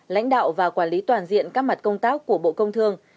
lãnh đạo và quản lý toàn diện các mặt công tác của bộ công thương